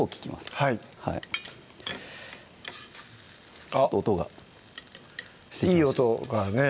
はい音がいい音がね